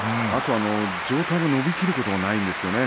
上体が伸びきることもないんですね。